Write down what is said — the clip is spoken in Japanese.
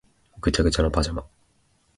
ぐちゃぐちゃなパジャマ